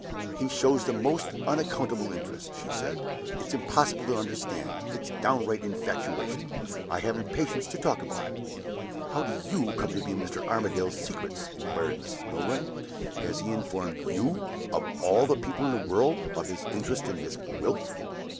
"He shows the most unaccountable interest," she said. "It's impossible to understand it. It's downright infatuation. I haven't patience to talk about it!" "How do you come to be in Mr. Armadale's secrets?" inquired Mrs. Milroy. "Has he informed you, of all the people in the world, of his interest in Miss Gwilt?"